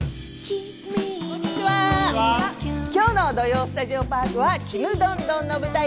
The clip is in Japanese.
きょうの「土曜スタジオパーク」「ちむどんどん」の舞台